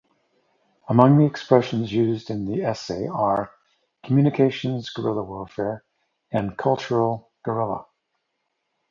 Among the expressions used in the essay are "communications guerrilla warfare" and "cultural guerrilla.